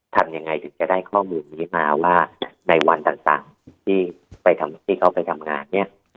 ทำยังไงถึงจะได้ข้อมูลนี้มาว่าในวันต่างที่เขาไปทำงานเนี่ย